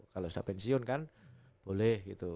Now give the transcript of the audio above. kalau sudah pensiun kan boleh gitu